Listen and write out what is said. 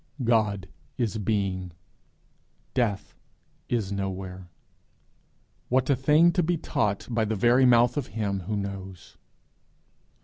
God is being; death is nowhere! What a thing to be taught by the very mouth of him who knows!